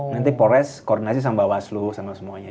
nanti polres koordinasi sama bawaslu sama semuanya